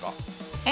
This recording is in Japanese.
えっ！